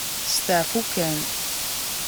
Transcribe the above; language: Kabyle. Steɛfu kan.